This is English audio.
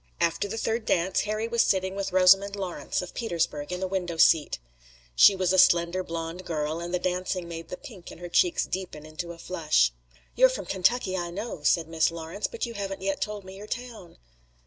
After the third dance Harry was sitting with Rosamond Lawrence of Petersburg in a window seat. She was a slender blonde girl, and the dancing had made the pink in her cheeks deepen into a flush. "You're from Kentucky, I know," said Miss Lawrence, "but you haven't yet told me your town."